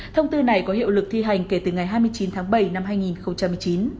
thông tư này có hiệu lực thi hành kể từ ngày hai mươi chín tháng bảy năm hai nghìn một mươi chín